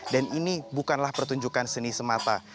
dan ini bukanlah pertunjukan seni semata